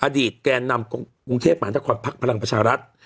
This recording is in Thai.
อดีตแกนำกรุงเทพมาตั้งความพักพลังประชารัฐ